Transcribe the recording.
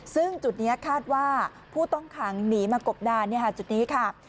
ซึ่งจุดนี้คาดว่าผู้ต้องขังหนีมากบดานจุดนี้ค่ะ